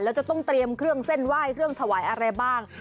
แล้วจะต้องเตรียมเครื่องเส้นไหว้เครื่องถวายอะไรบ้าง